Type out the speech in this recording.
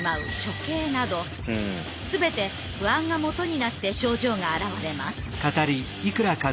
全て不安がもとになって症状があらわれます。